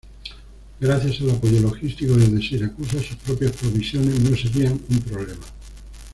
Gracias al apoyo logístico desde Siracusa, sus propias provisiones no serían un problema.